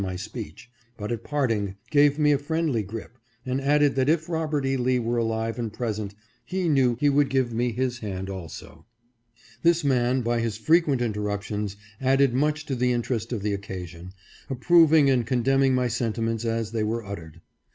my speech, but at parting, gave me a friendly grip, and added that if Robert E. Lee were alive and present, he knew he would give me his hand also. This man, by his frequent interruptions, added much to the interest of the occasion, approving and con demning my sentiments as they were uttered.